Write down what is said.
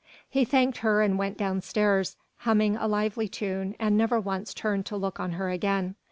He thanked her and went down stairs, humming a lively tune and never once turning to look on her again.